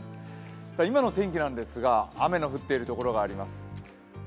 今の天気なんですが雨の降っている所があります。